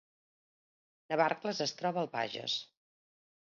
Navarcles es troba al Bages